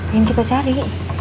yang kita cari